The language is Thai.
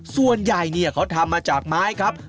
ส่วนใหญ่เนี่ยเขาทำมาจากไม้ครับ